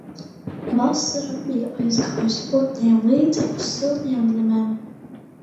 Vasara bija aizgājusi putniem līdzi uz siltajām zemēm.